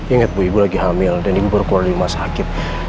ingat ibu ibu lagi hamil dan ibu baru keluar di rumah sakit